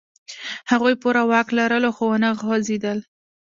هغوی پوره واک لرلو، خو و نه خوځېدل.